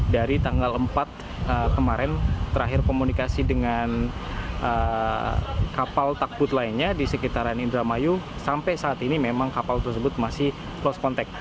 dari tanggal empat kemarin terakhir komunikasi dengan kapal takbut lainnya di sekitaran indramayu sampai saat ini memang kapal tersebut masih lost contact